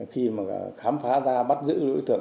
khi mà khám phá ra bắt giữ đối tượng